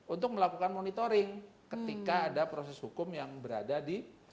untuk melakukan monitoring ketika ada proses hukum yang berada di